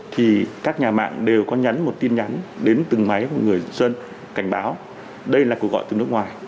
thì các nhà mạng đều có nhắn một tin nhắn đến từng máy của người dân cảnh báo đây là cuộc gọi từ nước ngoài